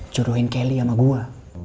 curuhin kelly sama gua